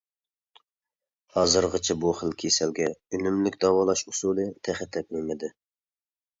ھازىرغىچە بۇ خىل كېسەلگە ئۈنۈملۈك داۋالاش ئۇسۇلى تېخى تېپىلمىدى.